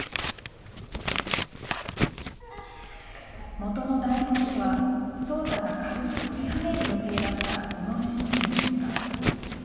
もとの台本では、草太が軽く跳びはねる予定だったこのシーンですが。